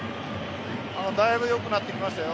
だいぶ良くなってきましたよ。